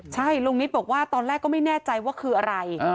ใช่ลุงนิดบอกว่าตอนแรกก็ไม่แน่ใจว่าคืออะไร